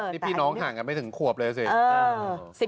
นี่พี่น้องห่างกันไม่ถึงขวบเลยสิ